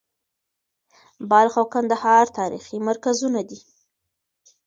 بلخ او کندهار تاریخي مرکزونه دي.